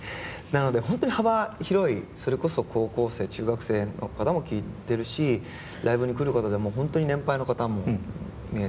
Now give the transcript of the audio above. なので本当に幅広いそれこそ高校生中学生の方も聴いてるしライブに来る方でも本当に年配の方も見えて。